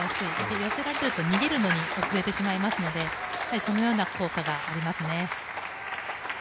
寄せられると逃げるのが遅れてしまいますのでそのような効果がありますね。